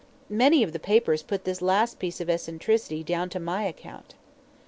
Many of the papers put this last piece of eccentricity down to my account.